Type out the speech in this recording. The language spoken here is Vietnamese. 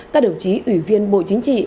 các đồng chí ủy viên bộ chính trị